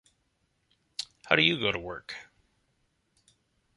How do you go to work?